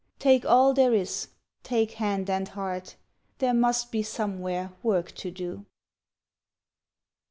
Take all there is take hand and heart: There must be somewhere work to do.